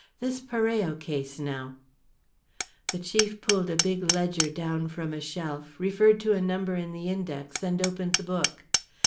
This Parello case, now " The chief pulled a big ledger down from a shelf, referred to a number in the index, and opened the book.